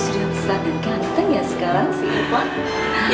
sudah besar dan ganteng ya sekarang sih ivan